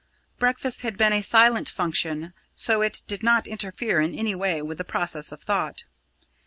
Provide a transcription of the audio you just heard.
Breakfast had been a silent function, so it did not interfere in any way with the process of thought.